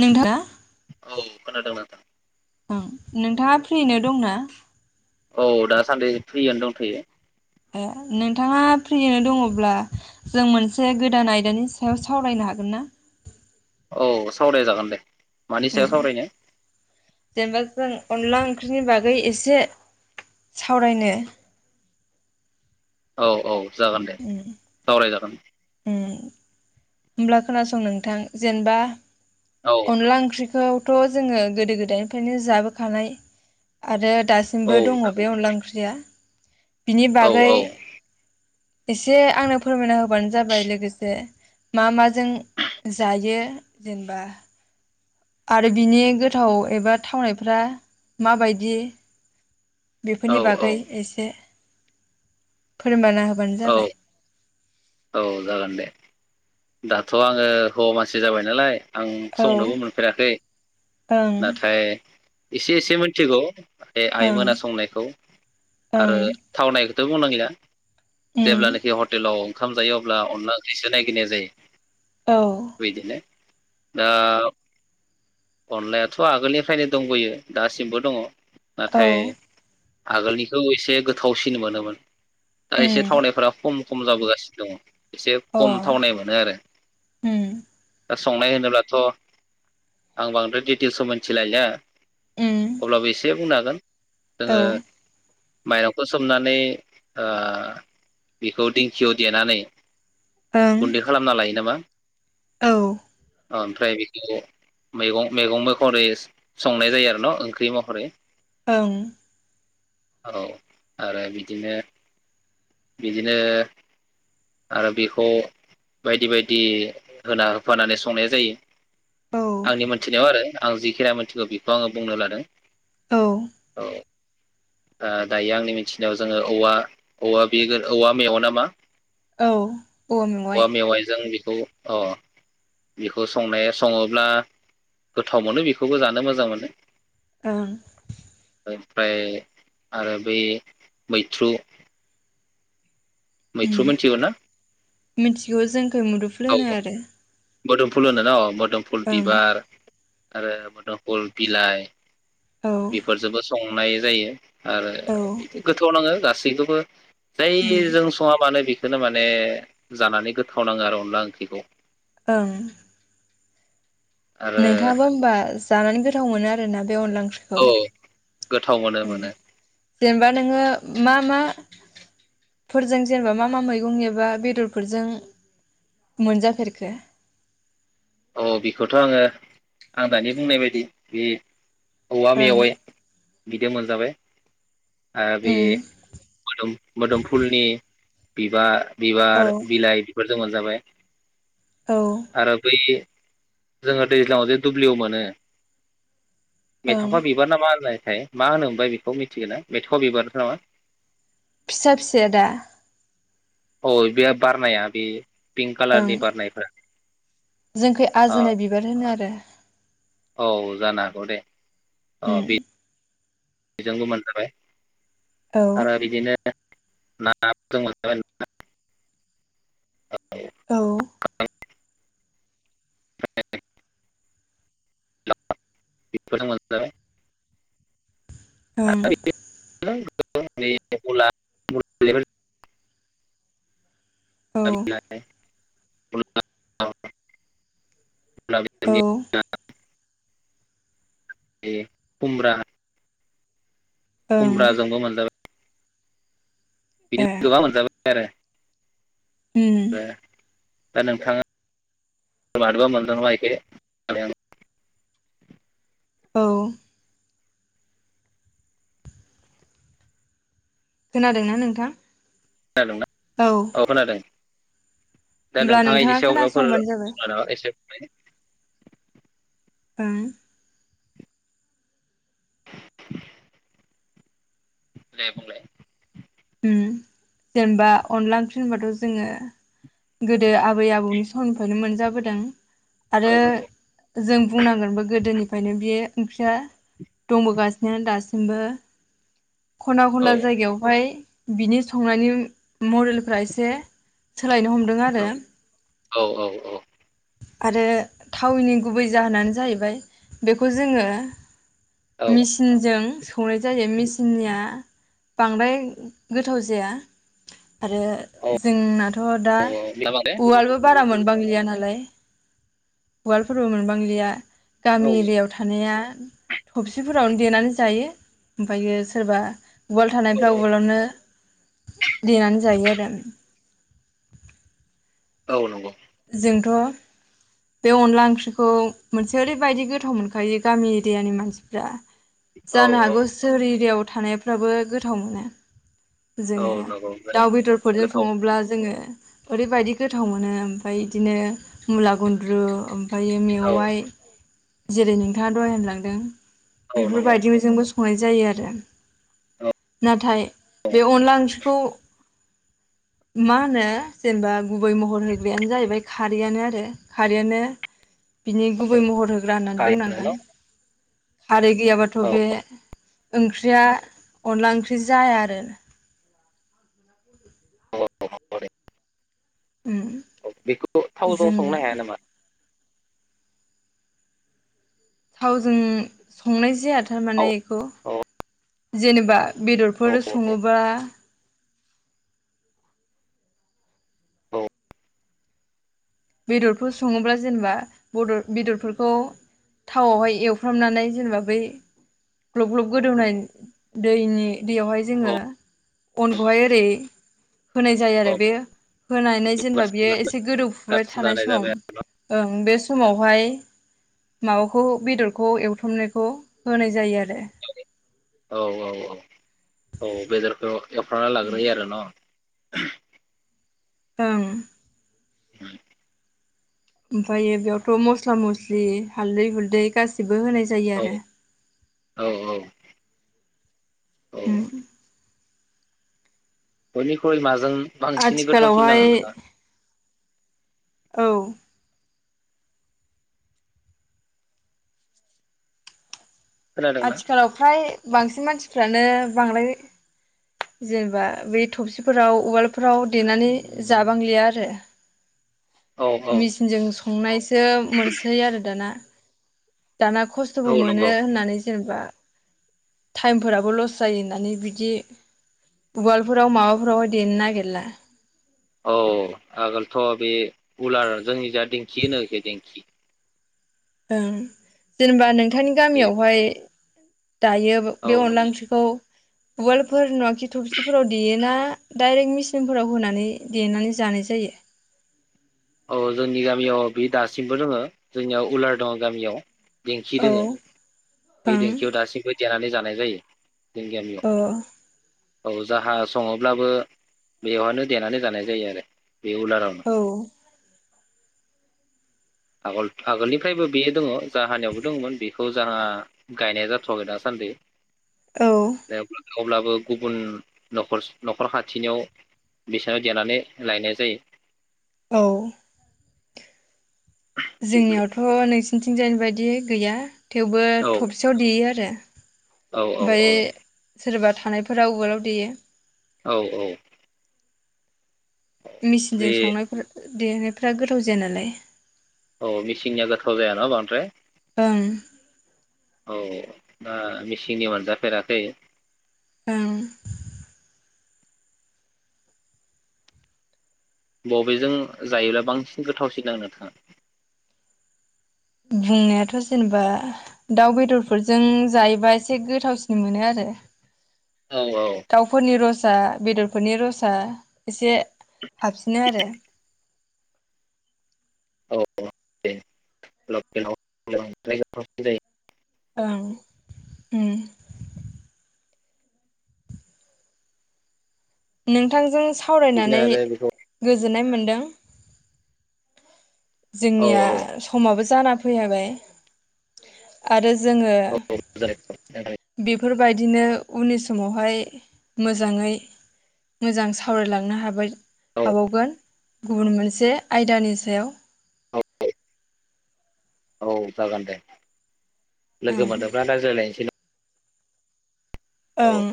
नोंथाङा औ खोनादों नोंथां उम नोंथाङा फ्रिनो दंना? औ दासान्दि फ्रियानो दंथ'यो ए नोंथाङा फ्रियैनो दङब्ला जों मोनसे गोदान आयदानि सायाव सावरायनो हागोन ना? औ सावराय जागोन दे मानि सायाव उम सावरायनो जेनबा जों अनला ओंख्रिनि बागै एसे सावरायनो औ औ जागोन दे ओम सावराय जागोन ओम होमब्ला खोनासं नोंथां जेनबा औ अनला ओंख्रि खौथ' जोङो गोदो गोदायनिफ्रायनो जाबोखानाय आरो औ दासिमबो दङ जागोन बे अनला ओंख्रिया बिनि औ बागै एसे आंनो फोरमायना हो होबानो जाबाय लोगोसे मा माजों जायो जेनेबा आरो बिनि गोथाव एबा थावनायफ्रा माबायदि औ बेफोरनि बागै एसे फोरमायना होबानो औ जाबाय औ जागोन दे दाथ' आङो हौवा मानसि जाबाय नालाय आं औ संनोबो मोनफेराखै ओं नाथाय एसे एसे मिथिगौ बे ओं आइमोना संनायखौ आरो ओं थावनाय [unintelligible] जेब्ला उम नेखि हटेलाव ओंखाम जायो अब्ला अनला ओंख्रिसो नायगिरनाय जायो औ बिदिनो दा अनलायाथ' आगोलनिफ्रायनो दंबोयो दासिमबो दङ औ नाथाय आगोलनिखौ एसे गोथावसिन मोनोमोन दा एसे उम थावनायफोरा खम खमजाबबो गासिनो दङ एसे अ खम थावनाय मोनो आरो उम दा संनाय होनोब्लाथ' आं बांद्राय दिटेलसखौ मोनथिलायला उम अब्लाबो एसे बुंनो हा गोन औ जोङो माइरंखौ सोमनानै ओ बेखौ दिंखियाव देनानै ओं गुन्दै खालामना लायो नामा औ ओमफ्राय बेखौ मैगं मैगं महरै संनाय जायो आरो न' ओंख्रि महरै ओं औ आरो बिदिनो बिदिनो आरो बेखौ बायदि बायदि होना होफानानै संनाय जायो औ आंनि मोनथिनायाव आरो आं जिखिनिया मोनथिगौ बेखौ आङो बुंनो लादों औ औ आ दायो आंनि मिथिनायाव जोङो औवा औवा बे औवा मेवा नामा? औ औवा मेवाय बेखौ अ बेखौ संनाया सङोब्ला गोथाव मोनो बेखौबो जानो मोजां मोनो। ओं। ओमफ्राय आरो बै मैथ्रु। उम मैथ्रु मिथिगौ ना? मोदुफुल औ होनो आरो। मोदोमफुल होनोना अ। मोदोमफुल ओं बिबार। आरो मोदोमफुल बिलाय। औ बेफोरजोंबो सङो। नाय जायो। आरो औ बिदि गोथाव नाङो जा सिगखौबो उम जायजों सङा मानो बि नो माने जानानै गोथाव नाङो आर'। अनला ओंख्रिखौ। ओं। आरो नोंथाङाबो होनबा जानानै गोथ गोथाव मोनो आरोना। बे अनला ओंख्रिखौ औ गोथाव मोनो [inaudible] उम मोनो जेनेबा नोङो मा मा फोरजों जेनेबा मा मा मैगं एबा बेदरफोरजों मोनजाफेरखो? औ बेखौथ' आङो आं दानि बुंनाय बायदि बि औवा ओं मेवाय बिदो मोनजाबाय। आ बि उम मोदोम- मोदोमफुलनि बिबा औ बिबार बिलाइ बिफोर जोमा जाबाय औ आरो बै जोङो दैज्लाङाव जे दुब्लियाव मोनो। ओं मेथका बिबार ना मा होननाय? थाय मा होनो ओमबाय बेखौ मिथिगोना मेथका बिबार नामा? फिसा फिसाया दा? औ बे बारनाया बे। पिंक ओं कलारनि बारनायब्रा। जोंखै आजोनाय बिबार होनो आरो। औ जानो हागौ दे। ए। गोजोंांगमोन जाबाय। औ आरो बिदिनो। [unintelligible] औ। [unintelligible] बेस मोनजाबाय। औं। आरो [inaudible] औ। [unintelligible] औ [unintelligible] ए खुम्रा। ओं [unintelligible] ए बिदिनो गोबा मोनजाबाय। [unintelligible] उम [unintelligible] दा नोंथाङा मादोबा मोनदों ना बेखौ। औ। खोनादोंना नोंथां। खोनादोंना औ खोनादों। दा होमब्ला नोंथाङा इनि सायावाबाफोर खोनासंबानो जाबाय एसे। [inaudible] दां। [inaudible] दे बुंलाय। ओम जेनेबा अनला ओंख्रि होनबाथ' जोङो गोदो आबै आबौनि समनिफ्रायनो मोनजाबोदों। आरो औ नंगौ जों बुंनांगोनबो गोदोनि। ओंखायनो बे ओंख्रिया दंबोगासिनो दासिमबो। खना औ खनला जायगायावहाय। बिनि संनायनि। मरेलफ्रा एसे सोलायनो हमदों आरो नंगौ औ औ आरो थावनि गुबै जाहोनानो जाहैबाय बेखौ जोङो औ औ मिचिनजों सौनाय जायो मिचिननिया बांद्राय गोथाव जाया आरो औ जों [unintelligible] दा उवालबो बारा मोन मोनबांगलिया नालाय उवालफोरबो मोनबांलिया औ गामि एरियायाव थानाया थफसिफोरावनो देनानै जायो ओमफायो सोरबा उवाल थानायफ्रा उवालावनो देनानै जायो आरो औ नंगौ। जोंथ' बे अनला ओंख्रिखौ मोनसे ओरैबायदि गोथाव मोनखायो गामि एरियानि मानसिफ्रा औ जानो औ हागौ सोरिदेव थानायफ्राबो गोथाव मोनो। औ जोङो नंगौ जायो दाउ बेदरफोरजों गोथाव सङोब्ला जोङो ओरैबायदि गोथाव मोनो फाय इदिनो मुला-गुन्द्रु फायो औ मेवाइ जेरै नोंथाङा दहाय होनलांदों। औ नंगौ बिफोरबायदिनो जोंबो सं हय जायो आरो औ नाथाय बे अनला ओंखि खौ मा होनो जेनेबा गुबै महर हो बेनो जाहैबाय खारैयानो आरो खारैयानो बिनि गुबै महर होग्रा होननानै थारैनो न' बुंनांगोन। खारै गैयाबाथ' औ बे ओंख्रिया अनदला ओंख्रि जाया आरो [unintelligible] [unintelligible] बेखौ थावजों संनो हाया जों नामा? थावजों संनाय जाया औ थारमाने इखौ औ जेनेबा औ बेदरफोर सङोबा औ बेदरफोर सङोब्ला जेनेबा बदर बेदरफोरखौ थावाहाय एवफ्रामनानै जेनेबा बै ग्लब ग्लब गोदौनाय दैनि दियावहाय जोङो अनखौहाय ओरै होनाय जायो आरो बे होनानै जेनेबा बियो एसे गोदौ फु गारसिन थानाय लानाय सम जाबाय ओं बे समाव बावहाय माबाखौ बेदरखौ एवथ्रमनायखौ होनाय जायो आर जे। औ औ औ। औ बेदरखौ एवफ्राना लाग्रोयो आरो न? ओं। [unintelligible] उमफायो बेयावथ' मस्ला मस्लि हाल्दै हुलदै गासिब बो होनाय जायो आरो। औ औ। उम खनि खल माजों बांसिनै गोथावसिन नाङो आथिखालावहाय नोंथाङा औ। खोनादोंना आथिखालाव फ्राय बांसिन मानसिफ्रानो बांद्राय जेनबा बे थबसिफोराव उवालफोराव देनानै जाबांलिया आरो। औ औ मिचिनजों संनायसो मोनसै आरो दाना। दाना खस्थ'बो औ मोनो नंगौ होननानै जेनबा टाइमफोराबो लस जायो होननानै बिदि वालफोराव माबाफोरावहाय देनो नागेरला। औ आगोलथ' बे उलार जोंनि जा दिंखि होनो इखो दिंखि। ओं। जेनेबा औ नोंथांनि बे गामियावहाय दायो औ बे अनला नंगौ ओंख्रिखौ उवालफोर नुवाख खि थबसि फोराव देयोना? दायरेक मिचिनफोराव होनानै देनानै जानाय जायो? औ जोंनि गामियाव बि दासिमबो दङो जोंनियाव उलार दङ गामियाव। दिेंखि औ दोङो बे ओं दिेंखियाव दासिमबो देनानै जानायख जायो। जों गामियाव। अ औ जाहा सङोब्लाबो बेवआनो देनानै जानाय जायो आरो। बे उलारावनो। औ आगल आगोलनिफ्रायबो बेयो दङो जाहानियावबो दङमोन बेखो जाहा गायनाय जाथ'आखै दासान्दै। औ। अब्लाबो गुबुन न'खरस न'खर खाथिनियाव बिसानो देनानै लायनाय जायो। औ। बिदि जोंनियावथ' नै सि बिथिंजाय बे बायदि गैया। थेवबो औ थबसेयाव देयो आरो। औ औ ओमफ्राय औ। सोरबा थानायफोरा उवालाव देयो। औ औ। मेचिनजों बे संनायफोर। देनायफ्रा गोथाव जाया नालाय। औ मिसिंनि गोथाव जाया न बांद्राय ओं। औ दा मेचननि मोनजाफेराखै। ओं। बबेजों जायोब्ला बांसिन गोथावसिन जागोन नोंथां आ बुंनायाथ' जेनेबा दाउ बेदरफोरजों जायोबा एसे गोथावसिन मोनो आरो। औ औ दाउफोरनि रस। बेदरफोरनि रसा एसे। हाबसिनो आरो। औ दे [unintelligible] ओं उम। नोंथांजों बिदिनो सावरायनानै गो आरो बेखौ गोजोन्नाय मोन्दों। औ जोंनिया समाबो जाना फैबाय आरो जोङो [unintelligible] बेफोरबायदिनो उननि समावहाय मोजाङै मोजां सावरायलांनो हाबाय। औ हाबावगोन। गुबुन मोनसे आयदानि सायाव। औ औ औ जागोन दे। ओं लोगो मोनोबा रायज्लायनोसै। ओं।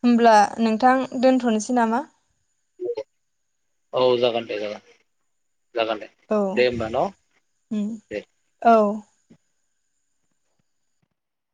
होमब्ला नोंथां दोन्थ'नोसै नामा। औ जागोन दे जागोन। जागोन दे औ दे होमबा न' उम दे औ।